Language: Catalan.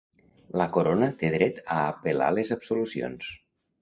La Corona té dret a apel·lar les absolucions.